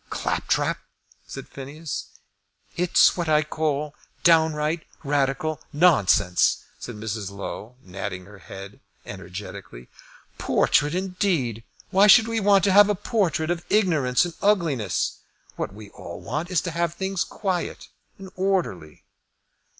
"Claptrap!" said Phineas. "It's what I call downright Radical nonsense," said Mrs. Low, nodding her head energetically. "Portrait indeed! Why should we want to have a portrait of ignorance and ugliness? What we all want is to have things quiet and orderly."